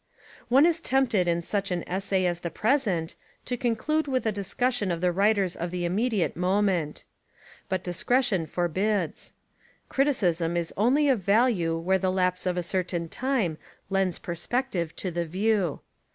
One is tempted in such an essay as the pres ent to conclude with a discussion of the writers of the immediate moment. But discretion for bids. Criticism is only of value where the lapse of a certain time lends perspective to the view.